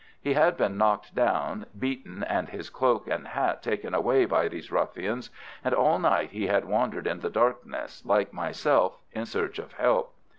He had been knocked down, beaten, and his cloak and hat taken away by these ruffians, and all night he had wandered in the darkness, like myself, in search of help.